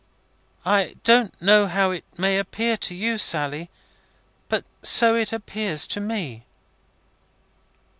" I don't know how it may appear to you, Sally, but so it appears to me."